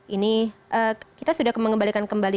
ini kita sudah mengembalikan kembali